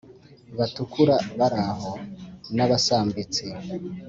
Batukura bari aho n’Abasambitsi